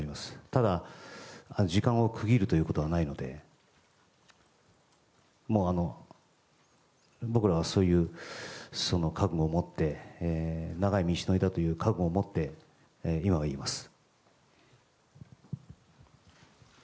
ただ、時間を区切るということはないので僕らはそういう覚悟を持って長い道のりだという覚悟を持って今はいます。